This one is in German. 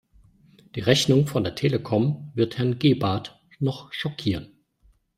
Die Rechnung von der Telekom wird Herrn Gebhardt noch schockieren.